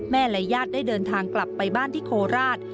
และญาติได้เดินทางกลับไปบ้านที่โคราช